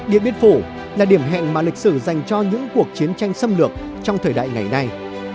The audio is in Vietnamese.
điện biên phủ là điểm hẹn mà lịch sử dành cho những cuộc chiến tranh xâm lược trong thời đại ngày nay